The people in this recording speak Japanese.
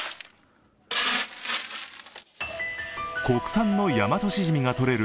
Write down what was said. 国産のヤマトシジミが採れる